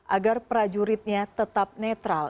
agar prajuritnya tetap netral